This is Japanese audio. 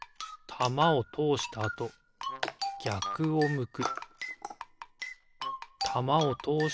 たまをとおしたあとぎゃくを向く。